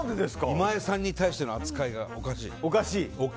今江さんに対しての扱いがおかしい。